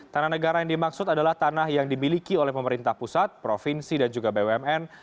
tanah negara yang dimaksud adalah tanah yang dimiliki oleh pemerintah pusat provinsi dan juga bumn